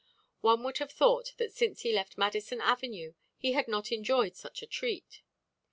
One would have thought that since he left Madison avenue he had not enjoyed such a treat.